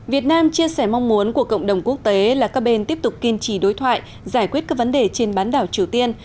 việt nam chia sẻ mong muốn của cộng đồng quốc tế là các bên tiếp tục kiên trì đối thoại giải quyết các vấn đề trên bán đảo triều tiên